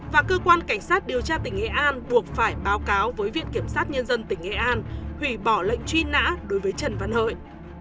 và cơ quan cảnh sát điều tra tỉnh nghệ an buộc phải báo cáo với viện kiểm sát nhân dân tỉnh nghệ an hủy bỏ lệnh truy nã đối với trần văn hợi